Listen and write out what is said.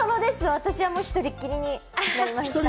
私は１人きりになりました。